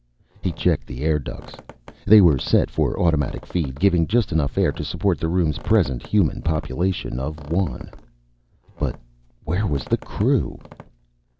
He checked the air ducts. They were set for automatic feed, giving just enough air to support the room's present human population of one. But where was the crew?